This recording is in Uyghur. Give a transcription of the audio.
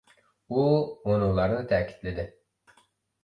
ئۇ مۇنۇلارنى تەكىتلىدى.